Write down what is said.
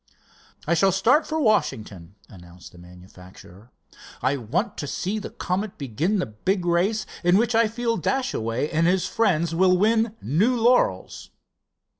"I shall start for Washington," announced the manufacturer. "I want to see the Comet begin the big race in which I feel Dashaway and his friends will win new laurels."